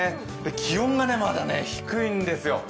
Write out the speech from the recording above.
気温がまだ低いんですよ。